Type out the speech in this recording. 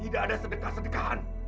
tidak ada sedekah sedekahan